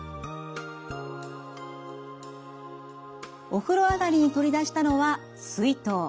お風呂上がりに取り出したのは水筒。